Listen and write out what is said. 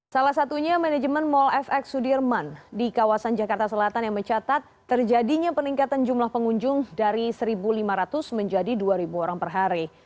salah satunya manajemen mall fx sudirman di kawasan jakarta selatan yang mencatat terjadinya peningkatan jumlah pengunjung dari satu lima ratus menjadi dua orang per hari